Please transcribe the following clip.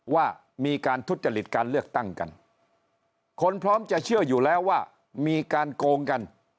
ว่ามีการทุจริตการเลือกตั้งกันคนพร้อมจะเชื่ออยู่แล้วว่ามีการโกงกัน